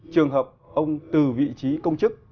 trường hợp ông từ vị trí công chức